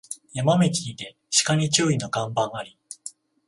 山道にて鹿に注意の看板あり